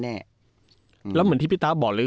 เหมือนที่พี่ตาบอกเลย